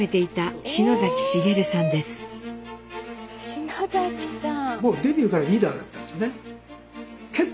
篠崎さん！